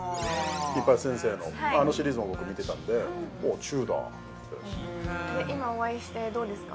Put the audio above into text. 「金八先生」のあのシリーズを僕見てたんでああチューだって今お会いしてどうですか？